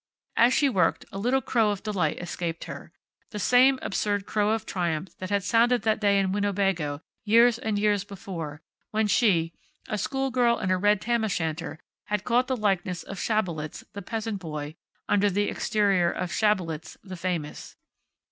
As she worked a little crow of delight escaped her the same absurd crow of triumph that had sounded that day in Winnebago, years and years before, when she, a school girl in a red tam o' shanter, had caught the likeness of Schabelitz, the peasant boy, under the exterior of Schabelitz, the famous.